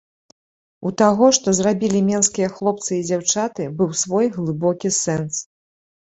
У таго, што зрабілі менскія хлопцы і дзяўчаты, быў свой глыбокі сэнс.